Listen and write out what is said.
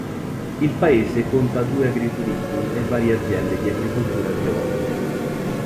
Il paese conta due agriturismi e varie aziende di agricoltura biologica.